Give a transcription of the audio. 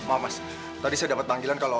maaf mas tadi saya dapat panggilan kalau